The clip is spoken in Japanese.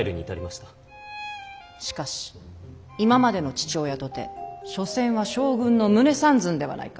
しかし今までの父親とて所詮は将軍の胸三寸ではないか。